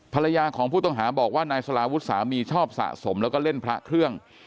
ภรรยาของผู้ต้องหาบอกว่านายสลาวุฒิสามีชอบสะสมแล้วก็เล่นพระเครื่อง